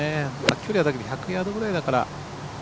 距離はだけど１００ヤードぐらいだから。